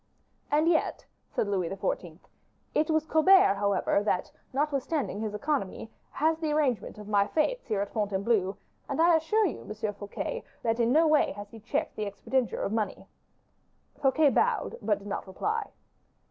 "And yet," said Louis XIV., "it was Colbert, however, that, notwithstanding his economy, had the arrangement of my fetes here at Fontainebleau; and I assure you, Monsieur Fouquet, that in no way has he checked the expenditure of money." Fouquet bowed, but did not reply.